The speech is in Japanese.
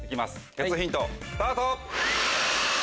ケツヒントスタート！